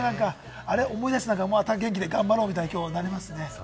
あれ、思い出したら、また元気で頑張ろうってなりますね。